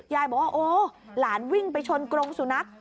ยายบอกว่าโอ้หลานวิ่งไปชนกรงสุนัข